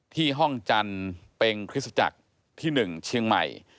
ที่ห้องจันทร์เป็นคริสตจักรที่๑เชียงใหม่